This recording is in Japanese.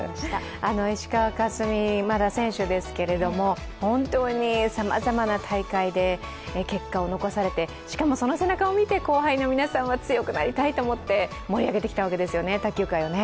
石川佳純、まだ選手ですけれども本当にさまざまな大会で結果を残されてしかもその背中を見て、後輩の皆さんは強くなりたいと思って盛り上げてきたわけですよね卓球界をね。